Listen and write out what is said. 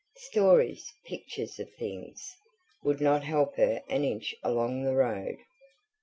Stories, pictures of things, would not help her an inch along the road.